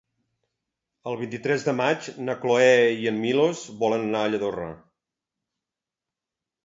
El vint-i-tres de maig na Cloè i en Milos volen anar a Lladorre.